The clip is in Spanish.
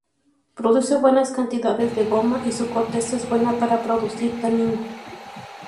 Produce buenas cantidades de goma y su corteza es buena para producir tanino.